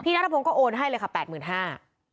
นัทพงศ์ก็โอนให้เลยค่ะแปดหมื่นห้า